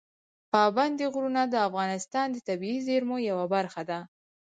پابندي غرونه د افغانستان د طبیعي زیرمو یوه برخه ده.